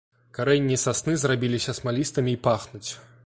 Карэнні сасны зрабіліся смалістымі і пахнуць.